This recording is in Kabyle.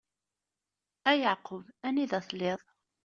A Yeɛqub! Anida telliḍ?